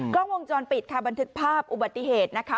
กล้องวงจรปิดค่ะบันทึกภาพอุบัติเหตุนะคะ